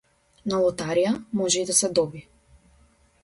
На лотарија може и да се добие.